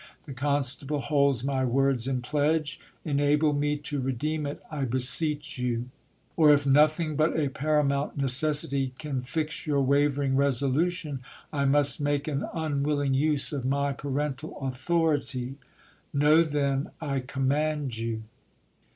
The constable holds my words in pledge ; enable me to redeem it, I beseech you. Or if nothing but a paramount necessity can fix your wavering resolution, I must make an unwilling use of my parental authority ; know then, I command you.